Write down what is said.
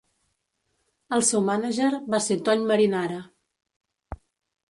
El seu mànager va ser Tony Marinara.